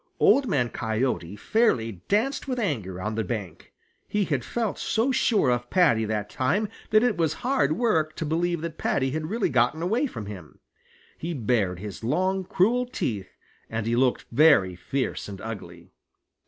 Old Man Coyote fairly danced with anger on the bank. He had felt so sure of Paddy that time that it was hard work to believe that Paddy had really gotten away from him. He bared his long cruel teeth, and he looked very fierce and ugly.